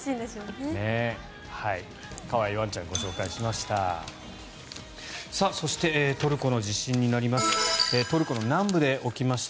可愛いワンちゃんをご紹介しました。